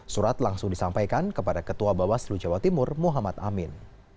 surat langsung disampaikan kepada ketua bawaslu jawa timur muhammad amin